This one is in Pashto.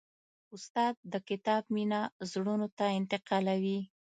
استاد د کتاب مینه زړونو ته انتقالوي.